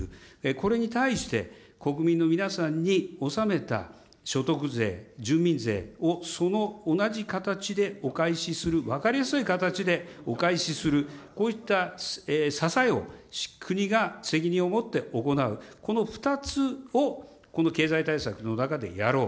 これに対して、国民の皆さんに納めた所得税、住民税をその同じ形でお返しする、分かりやすい形でお返しする、こういった支えを国が責任を持って行う、この２つを、この経済対策の中でやろう。